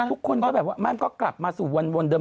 ทุกคนก็แบบว่าไม่ก็กลับมาสู่วนเดิม